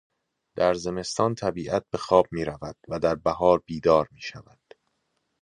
در زمستان طبیعت به خواب میرود و در بهار بیدار میشود.